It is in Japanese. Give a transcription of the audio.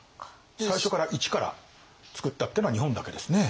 最初から一からつくったってのは日本だけですね。